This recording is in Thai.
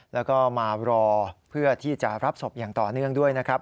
แล้วก็มารอเพื่อที่จะรับศพอย่างต่อเนื่องด้วยนะครับ